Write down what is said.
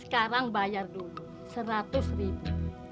sekarang bayar dulu seratus ribu